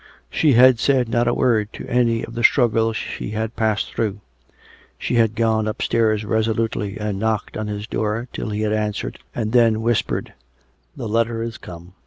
She had said not a word to any of the struggle she had passed through. She had gone upstairs resolutely and knocked on his door till he had answered, and then whis pered, " The letter is come.